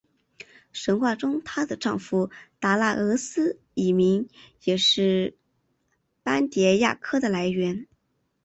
神话中她的丈夫达那俄斯一名也是斑蝶亚科的来源。